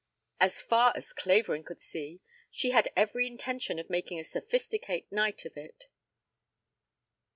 As far as Clavering could see, she had every intention of making a Sophisticate night of it.